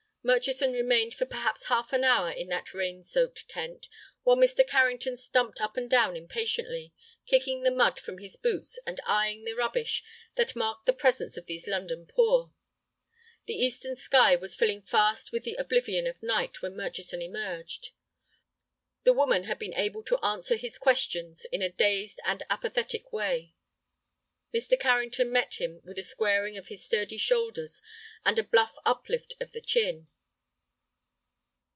Murchison remained for perhaps half an hour in that rain soaked tent, while Mr. Carrington stumped up and down impatiently, kicking the mud from his boots and eying the rubbish that marked the presence of these London poor. The eastern sky was filling fast with the oblivion of night when Murchison emerged. The woman had been able to answer his questions in a dazed and apathetic way. Mr. Carrington met him with a squaring of his sturdy shoulders and a bluff uplift of the chin.